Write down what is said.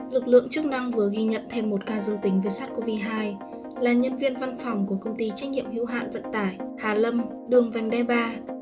lực lượng chức năng vừa ghi nhận thêm một ca dương tính về sát covid một mươi chín là nhân viên văn phòng của công ty trách nhiệm hữu hạn vận tải hà lâm đường vành đe ba